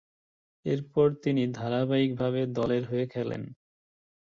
এরপর তিনি ধারাবাহিকভাবে দলের হয়ে খেলেন।